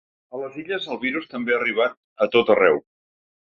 A les Illes el virus també ha arribat a tot arreu.